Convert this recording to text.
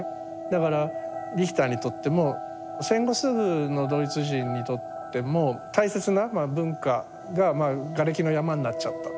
だからリヒターにとっても戦後すぐのドイツ人にとっても大切な文化ががれきの山になっちゃった。